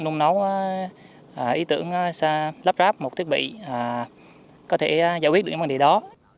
luôn nói ý tưởng sẽ lắp ráp một thiết bị có thể giải quyết được những vấn đề đó